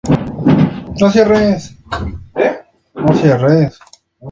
Más adelante fue nombrado en honor del astrónomo estadounidense Daniel W. E. Green.